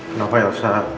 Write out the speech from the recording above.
kenapa elsa baik baik saja